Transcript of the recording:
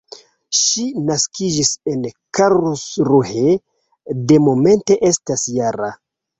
Ŝi naskiĝis en Karlsruhe, do momente estas -jara.